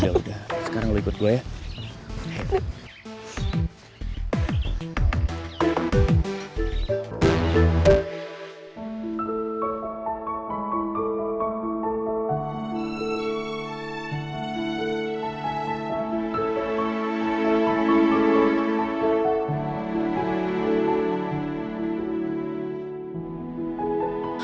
udah udah sekarang lo ikut gue ya